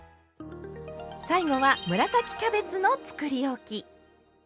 最後は紫キャベツのつくりおき。